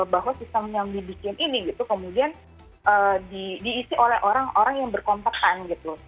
bahwa sistem yang dibikin ini gitu kemudian diisi oleh orang orang yang berkomsetan gitu